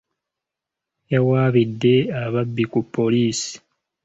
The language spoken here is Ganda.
Yawaabidde ababbi ku poliisi.